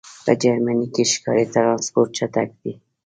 په جرمنی کی ښکاری ټرانسپورټ چټک دی